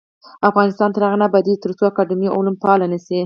افغانستان تر هغو نه ابادیږي، ترڅو اکاډمي علوم فعاله نشي.